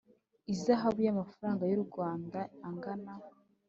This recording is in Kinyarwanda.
ihazabu y amafaranga y u Rwanda angana